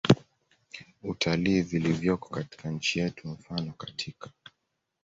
utalii vilivyoko katika nchi yetu Mfano katika